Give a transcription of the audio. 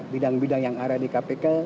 bidang bidang yang ada di kpk